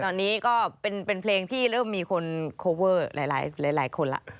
ตอนนี้ก็เป็นเพลงที่เริ่มมีคนโคเวอร์หลายคนแล้ว